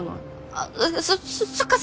あっそそっか。